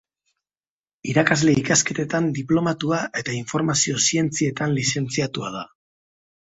Irakasle ikasketetan diplomatua eta informazio zientzietan lizentziatua da.